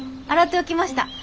洗っておきました。